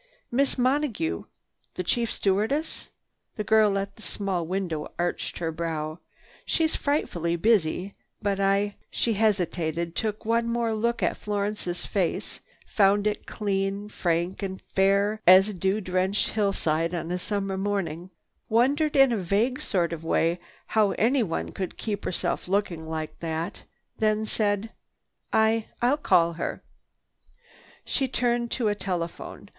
"Miss Monague, the chief stewardess?" The girl at the small window arched her brow. "She's frightfully busy. But I—" She hesitated, took one more look at Florence's face, found it clean, frank and fair as a dew drenched hillside on a summer morning, wondered in a vague sort of way how anyone could keep herself looking like that, then said, "I—I'll call her." She turned to a telephone.